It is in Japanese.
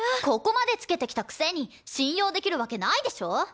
ここまでつけてきたくせに信用できるわけないでしょ！